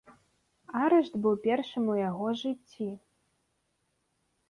Арышт быў першым у яго жыцці.